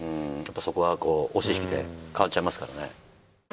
そこは押し引きで変わっちゃいますからね。